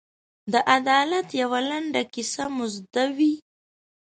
د عدالت یوه لنډه کیسه مو زده وي.